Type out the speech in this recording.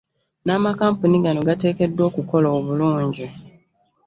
N'amakampuni gano gateekeddwa okukola obulungi